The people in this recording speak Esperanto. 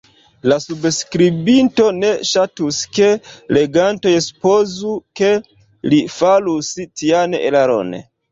La subskribinto ne ŝatus, ke legantoj supozu, ke li farus tian eraron.